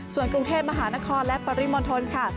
ส่วนกรุงเทพมหานครและปริมณฑลค่ะ